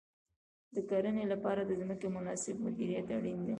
د کرنې لپاره د ځمکې مناسب مدیریت اړین دی.